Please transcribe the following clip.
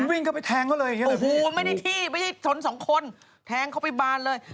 มันวิ่งเข้าไปแทงเขาเลยโอ้โหไม่ได้ที่ไม่ได้ทน๒คนแทงเข้าไปบานเลย